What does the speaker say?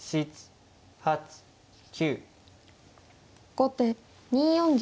後手２四玉。